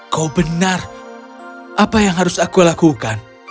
kau benar apa yang harus aku lakukan